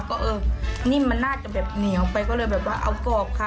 ก็เออนิ่มมันน่าจะแบบเหนียวไปก็เลยแบบว่าเอากรอบค่ะ